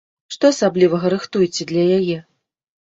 Што асаблівага рыхтуеце для яе?